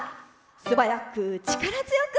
素早く、力強く。